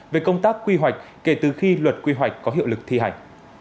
về công tác quy hoạch kể từ khi luật quy hoạch có hiệu lực thi hành